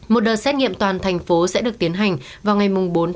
một đợt xét nghiệm toàn thành phố sẽ được tiến hành vào ngày bốn bốn